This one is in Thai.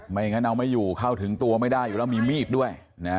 อย่างนั้นเอาไม่อยู่เข้าถึงตัวไม่ได้อยู่แล้วมีมีดด้วย